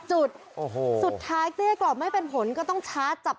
สุดท้ายเกลี้ยกรอบไม่เป็นผลก็ต้องช้าจับ